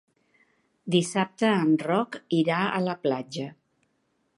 Dissabte en Roc irà a la platja.